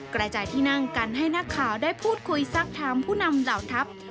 กระจายที่นั่งกันให้นักข่าวได้พูดคุยสักถามผู้นำเหล่าทัพ